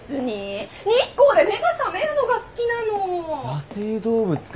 野生動物かよ。